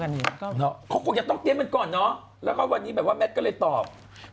เขาก็อย่าต้องเตรียมกันก่อนเนอะแล้วก็วันนี้แมทก็เลยตอบ